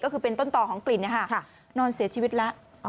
ก็คือเป็นต้นต่อของกลิ่นนอนเสียชีวิตแล้ว